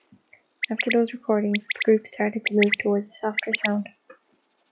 After those recordings the group started to move towards a softer sound.